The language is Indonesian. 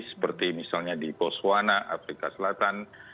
seperti misalnya di boswana afrika selatan